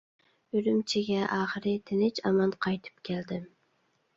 ئۈرۈمچىگە ئاخىرى تىنچ-ئامان قايتىپ كەلدىم.